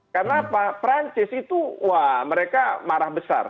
karena apa perancis itu wah mereka marah besar